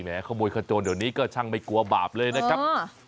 ขโมยขโจรเดี๋ยวนี้ก็ช่างไม่กลัวบาปเลยนะครับ